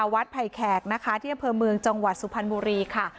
ไผ่แขกนะคะที่อำเภอเมืองจังหวัดสุพรรณบุรีค่ะ